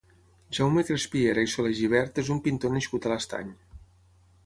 Jaume Crespiera i Solegibert és un pintor nascut a l'Estany.